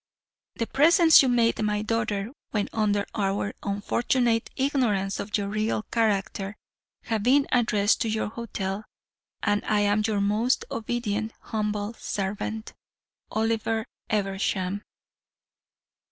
"'The presents you made my daughter, when under our unfortunate ignorance of your real character, have been addressed to your hotel, and I am your most obedient, humble servant, "'Oliver Eversham.'